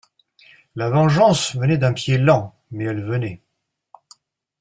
La vengeance venait d'un pied lent, mais elle venait.